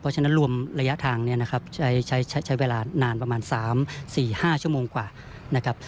เพราะฉะนั้นรวมระยะทางเนี่ยนะครับใช้เวลานานประมาณ๓๔๕ชั่วโมงกว่านะครับ